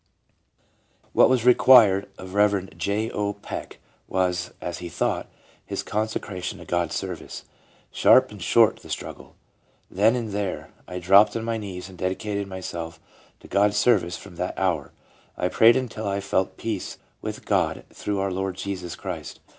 What was required from Rev. J. O. Peck was — as he thought — his consecration to God's service. "Sharp and short the struggle. Then and there, I dropped on my knees and dedicated myself to God's service from that hour. I prayed until I felt peace with God through our Lord Jesus Christ.